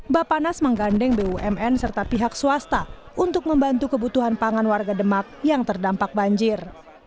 bapak nas menggandeng bumn serta pihak swasta untuk membantu kebutuhan pangan warga demak yang terdampak banjir